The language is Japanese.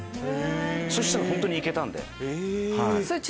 そしたら本当に行けたんで。